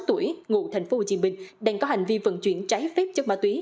ba mươi sáu tuổi ngụ thành phố hồ chí minh đang có hành vi vận chuyển trái phép chất ma túy